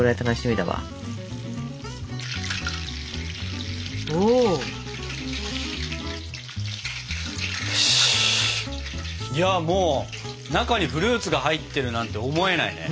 いやもう中にフルーツが入ってるなんて思えないね。